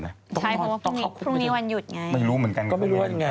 ใช่พวกเพราะหรือนี้วันหยุดไง